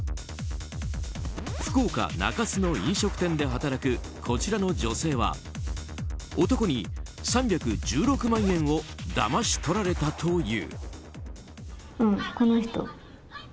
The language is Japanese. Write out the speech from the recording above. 福岡・中洲の飲食店で働くこちらの女性は男に３１６万円をだまし取られたという。